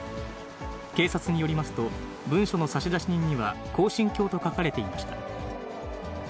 警察によりますと、文書の差出人には恒心教と書かれていました。